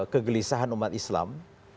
kegelisahan umat islam